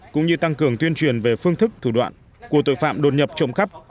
cũng như tăng cường tuyên truyền về phương thức thủ đoạn của tội phạm đột nhập trộm khắp